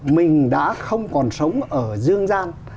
mình đã không còn sống ở dương gian